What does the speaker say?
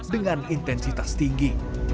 dengan intensitas tinggi